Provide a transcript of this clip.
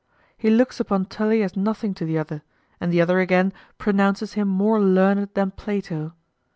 He looks upon Tully as nothing to the other, and the other again pronounces him more learned than Plato.